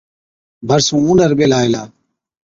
ڀرسُون اُونڏر ٻيهلا هِلا،